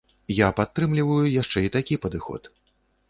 Я падтрымліваю яшчэ і такі падыход.